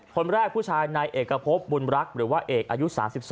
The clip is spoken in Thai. คนแรกผู้ชายนายเอกพบบุญรักษ์หรือว่าเอกอายุ๓๒